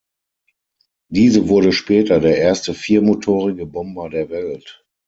Diese wurde später der erste viermotorige Bomber der Welt.